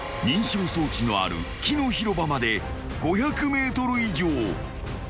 ［認証装置のある木の広場まで５００ｍ以上］